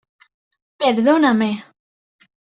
¡ perdóname!